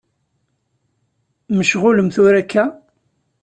Mecɣulem tura akka?